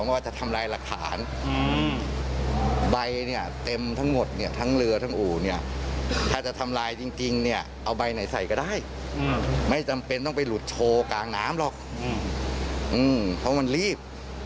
ว่ามันนานเกิดขึ้นอีก